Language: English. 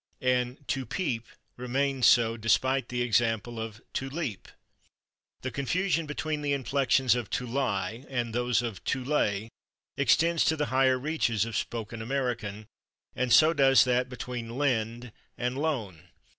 And /to peep/ remains so, despite the example of /to leap/. The confusion between the inflections of /to lie/ and those of /to lay/ extends to the higher reaches of spoken American, and so does that between /lend/ and /loan